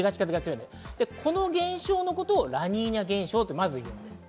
この現象のことをラニーニャ現象と言います。